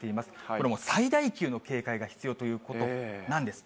これはもう、最大級の警戒が必要ということなんです。